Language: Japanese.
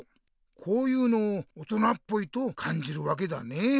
こういうのを「大人っぽい」とかんじるわけだね。